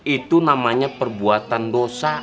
itu namanya perbuatan dosa